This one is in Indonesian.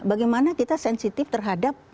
bagaimana kita sensitif terhadap